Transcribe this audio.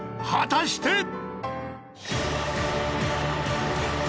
［果たして］